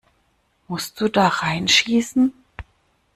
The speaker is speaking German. Musst du da reinschießen?